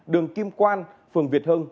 đường kim quan phường việt hưng